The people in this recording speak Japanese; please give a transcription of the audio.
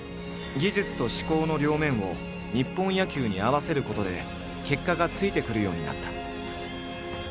技術と思考の両面を日本野球に合わせることで結果がついてくるようになった。